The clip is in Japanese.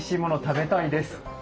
たべたいです」。